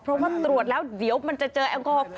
เพราะว่าตรวจแล้วเดี๋ยวมันจะเจอแอลกอฮอล